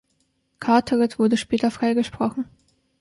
Carteret wurde später freigesprochen.